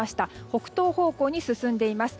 北東方向に進んでいます。